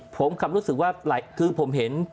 ผมรู้สึกว่าคือผมเห็น